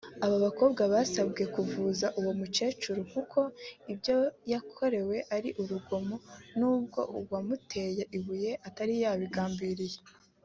Abo bakobwa basabwe kuvuza uwo mukecuru kuko ibyo yakorewe ari urugomo nubwo uwamuteye ibuye atari yabigambiriye